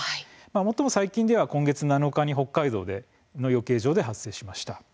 最も最近では今月７日に北海道の養鶏場で発生しました。